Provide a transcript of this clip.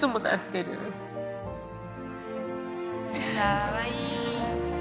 かわいい！